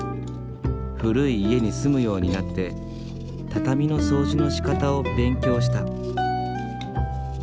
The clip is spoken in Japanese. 古い家に住むようになって畳の掃除のしかたを勉強した。